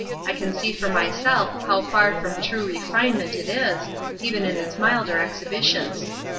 I can see for myself how far from true refinement it is, even in its milder exhibitions.